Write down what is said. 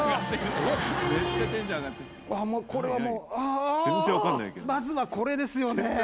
えっ、これはもう、あー、まずはこれですよね。